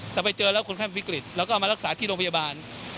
แต่ไปเจอแล้วคนไข้วิกฤตแล้วก็เอามารักษาที่โรงพยาบาล